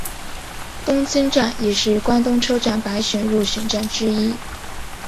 东京站也是关东车站百选入选站之一。